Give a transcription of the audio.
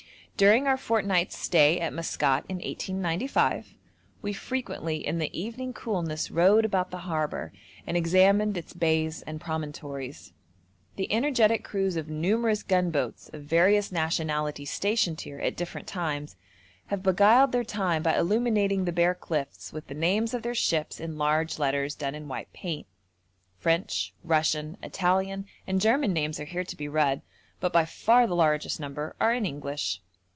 During our fortnight's stay at Maskat in 1895, we frequently in the evening coolness rowed about the harbour and examined its bays and promontories. The energetic crews of numerous gunboats of various nationalities stationed here at different times have beguiled their time by illuminating the bare cliffs with the names of their ships in large letters done in white paint. French, Russian, Italian, and German names are here to be read, but by far the largest number are in English.